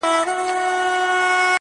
د خپلي جنګ ځپلي ټولني